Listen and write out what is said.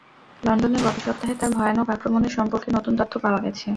লন্ডনে গত সপ্তাহে তার ভয়ানক আক্রমণের সম্পর্কে নতুন তথ্য পাওয়া গেছে।